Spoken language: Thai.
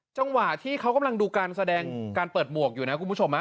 จังหวะที่เขากำลังดูการแสดงการเปิดหมวกอยู่นะคุณผู้ชม